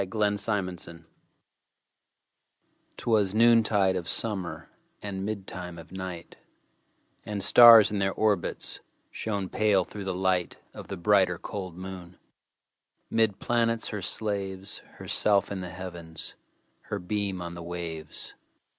1827 Evening Star 'Twas noontide of summer, And midtime of night, And stars, in their orbits, Shone pale, through the light Of the brighter, cold moon. 'Mid planets her slaves, Herself in the Heavens, Her beam on the waves.